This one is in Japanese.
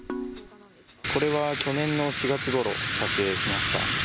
これは去年の４月ごろ、撮影しました。